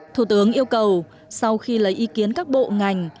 thủ tướng yêu cầu sau khi lấy ý kiến các bộ ngành